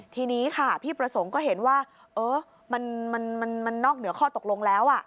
ทีนี้ค่ะพี่ประสงค์ก็เห็นว่ามันนอกเหนือข้อตกลงแล้ว